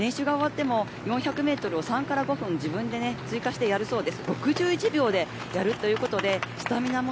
練習が終わっても４００メートルを３本から５本、自分で追加してやっているそうです。